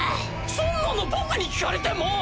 そんなの僕に聞かれても！